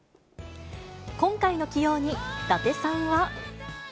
今回の起用に伊達さんは。